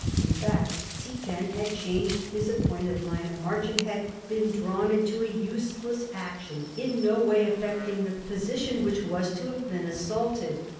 In fact Ziethen had changed his appointed line of march and been drawn into a useless action, in no way affecting the position which was to have been assaulted.